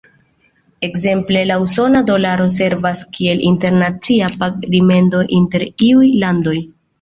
Ekzemple, usona dolaro servas kiel internacia pag-rimedo inter iuj landoj.